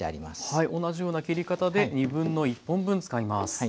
はい同じような切り方で1/2本分使います。